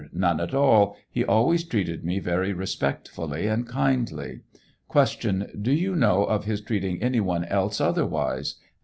A. None at all ; he always treated me very respectfully and kindly. Q. Do you know of his treating any one else otherwise